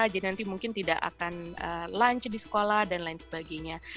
jadi nanti mungkin tidak akan lunch di sekolah dan lain sebagainya